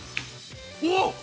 おっ！